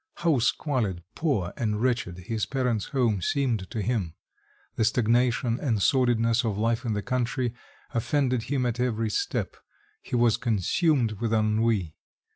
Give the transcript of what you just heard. How squalid, poor, and wretched his parents' home seemed to him! The stagnation and sordidness of life in the country offended him at every step. He was consumed with ennui.